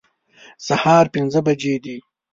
سهار پنځه بجې دي